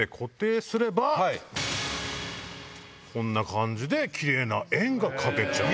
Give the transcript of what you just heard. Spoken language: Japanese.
こんな感じでキレイな円が描けちゃう。